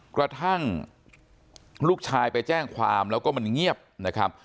กระทั่งลูกชายไปแจ้งความแล้วก็มันเงียบนะครับ